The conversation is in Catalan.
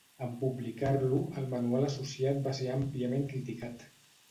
En publicar-lo, el manual associat va ser àmpliament criticat.